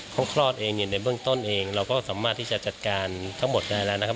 เขาคลอดเองเนี่ยในเบื้องต้นเองเราก็สามารถที่จะจัดการทั้งหมดได้แล้วนะครับ